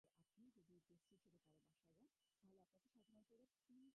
তাঁর চাচাতো ভাই ইয়াকুব বলেছেন, তাঁরা বাড্ডা থানায় নিখোঁজের একটি জিডি করেছেন।